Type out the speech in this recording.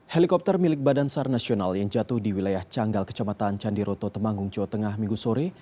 helikopter milik badan sar nasional yang jatuh di wilayah canggal kecamatan candiroto temanggung jawa tengah minggu sore